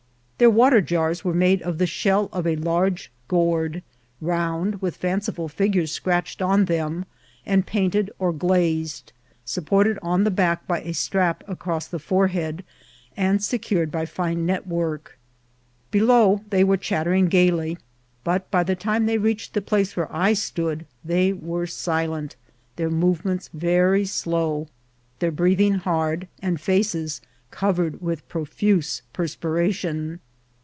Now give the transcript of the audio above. Their water jars were made of the shell of a large gourd, round, with fanciful figures scratched on them, and painted or glazed, supported on the back by a strap across the forehead, and secured by fine net work. Below they were chattering gayly, but by the time they reached the place where I stood they were silent, their movements very slow, their breathing hard, and faces covered with profuse perspiration.